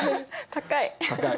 高い！